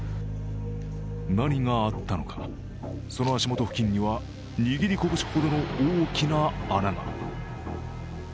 何があったのか、その足元付近には握り拳ほどの大きな穴が。